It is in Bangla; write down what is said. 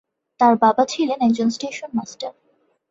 তার বাবা ছিলেন একজন স্টেশন মাস্টার।